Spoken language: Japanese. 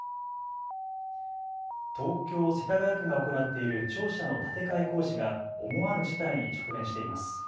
東京世田谷区が行っている庁舎の建て替え工事が思わぬ事態に直面しています。